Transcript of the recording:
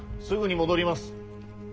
すぐに戻ります。